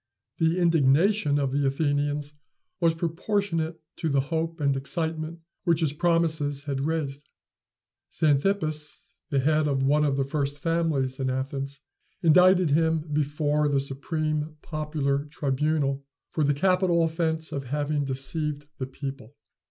The indignation of the Athenians was proportionate to the hope and excitement which his promises had raised. Xanthippas, the head of one of the first families in Athens, indicted him before the supreme popular tribunal for the capital offence of having deceived the people.